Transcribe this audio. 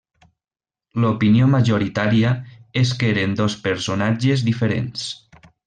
L'opinió majoritària és que eren dos personatges diferents.